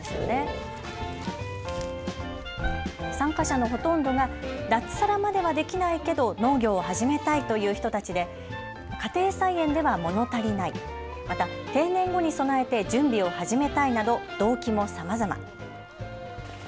参加者のほとんどが脱サラまではできないけど農業を始めたいという人たちで家庭菜園では物足りない、また定年後に備えて準備を始めたいなど動機もさまざま。